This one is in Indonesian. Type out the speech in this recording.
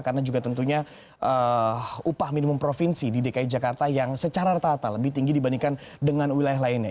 karena juga tentunya upah minimum provinsi di dki jakarta yang secara rata rata lebih tinggi dibandingkan dengan wilayah lainnya